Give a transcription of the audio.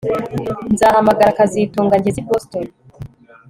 Nzahamagara kazitunga ngeze i Boston